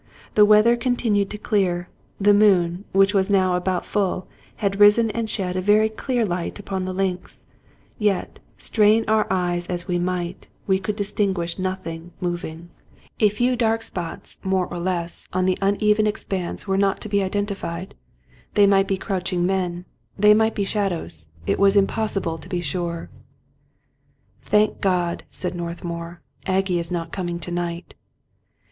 The weather con tinued clear ; the moon, which was now about full, had risen and shed a very clear light upon the links ; yet, strain our eyes as we might, we could distinguish nothing moving. A 200 Robert Louis Stevenson few dark spots, more or less, on the uneven expanse were not to be identified; they might be crouching men, they might be shadows ; it was impossible to be sure. "Thank God," said Northmour, "Aggie is not coming to night."